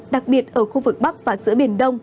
đặc biệt ở khu vực bắc và giữa biển đông